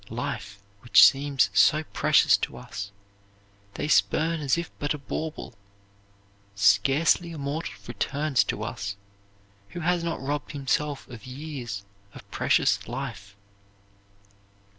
Life, which seems so precious to us, they spurn as if but a bauble. Scarcely a mortal returns to us who has not robbed himself of years of precious life.